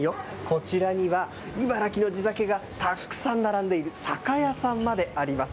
こちらには、茨城の地酒がたくさん並んでいる酒屋さんまであります。